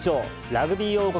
ラグビー王国